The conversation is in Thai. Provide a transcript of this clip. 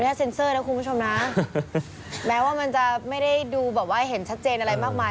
เซ็นเซอร์นะคุณผู้ชมนะแม้ว่ามันจะไม่ได้ดูแบบว่าเห็นชัดเจนอะไรมากมาย